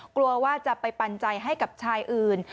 กลัวว่าจะไปปันใจให้กับชายอื่น